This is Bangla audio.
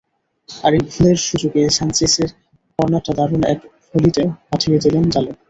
আর এই ভুলের সুযোগে সানচেসের কর্নারটা দারুণ এক ভলিতে পাঠিয়ে দিলেন জালে।